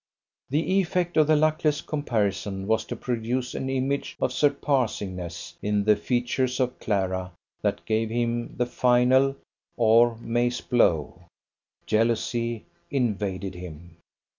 The effect of the luckless comparison was to produce an image of surpassingness in the features of Clara that gave him the final, or mace blow. Jealousy invaded him.